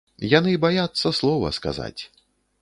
Яны баяцца слова сказаць.